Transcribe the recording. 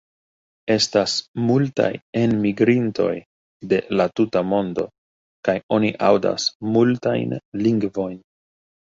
Estas multaj enmigrintoj de la tuta mondo, kaj oni aŭdas multajn lingvojn.